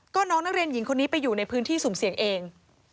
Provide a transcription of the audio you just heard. ก็น้องนักเรียนหญิงคนนี้ไปอยู่ในพื้นที่สุ่มเสี่ยงเอง